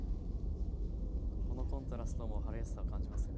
このコントラストも春らしさを感じますね。